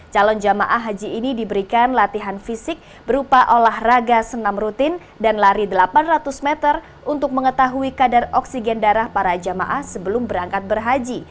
calon jemaah haji ini diberikan latihan fisik berupa olahraga senam rutin dan lari delapan ratus meter untuk mengetahui kadar oksigen darah para jamaah sebelum berangkat berhaji